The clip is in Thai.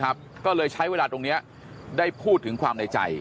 ก็เลยใช้เวลาตรงนี้ได้พูดถึงความในใจ